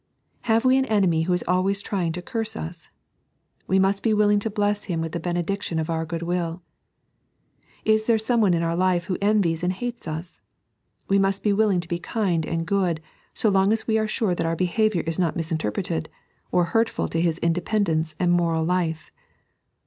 Have we an enemy who is always trying to curse us I We must be willing to bless him with the benediction of our goodwill. Is there someone in our life who envies and hates us f We must be willing to be kind and good, so long as we are sure that our behaviour is not misinterja^ted, or hurtful to his independence and moral life.